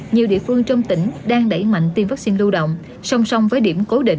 nhiều địa phương trong tỉnh đang đẩy mạnh tiêm vaccine lưu động song song với điểm cố định